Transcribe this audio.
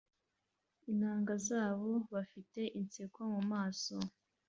inanga zabo bafite inseko mu maso